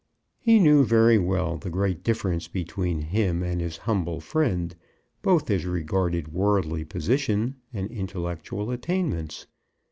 He knew very well the great difference between him and his humble friend, both as regarded worldly position and intellectual attainments.